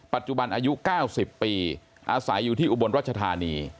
ปัจจุบันอายุ๙๐ปีอาศัยอยู่ที่อุบลรัชธานี